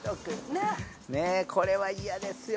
これは嫌ですよ。